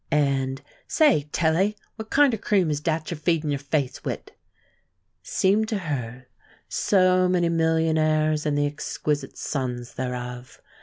and, "Say, Tilly, what kind er cream is dat you're feedin' your face wid?") seemed to her so many millionaires and the exquisite sons thereof.